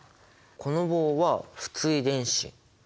この棒は不対電子。